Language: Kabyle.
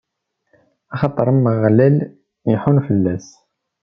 axaṭer Ameɣlal iḥunn fell-as.